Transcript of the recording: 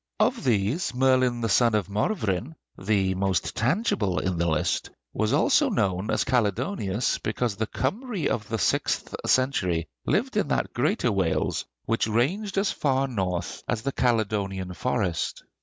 Of these, Merlin the son of Morvryn, the most tangible in the list, was also known as Caledonius, because the Kymry of the sixth century lived in that greater Wales which ranged as far north as the Caledonian Forest.